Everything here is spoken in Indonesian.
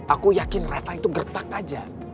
aku yakin reva itu gertak aja